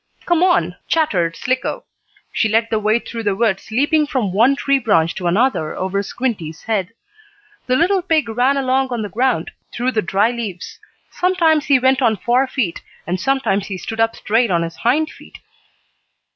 "Come on!" chattered Slicko. She led the way through the woods, leaping from one tree branch to another over Squinty's head. The little pig ran along on the ground, through the dry leaves. Sometimes he went on four feet and sometimes he stood up straight on his hind feet.